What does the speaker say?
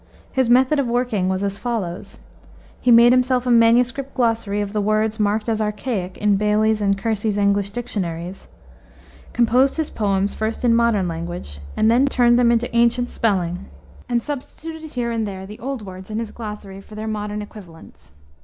His method of working was as follows: He made himself a manuscript glossary of the words marked as archaic in Bailey's and Kersey's English dictionaries, composed his poems first in modern language, and then turned them into ancient spelling, and substituted here and there the old words in his glossary for their modern equivalents.